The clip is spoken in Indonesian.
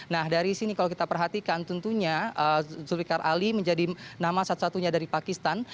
nah dari sini kalau kita perhatikan tentunya zulfiqar ali menjadi nama satu satunya dari pakistan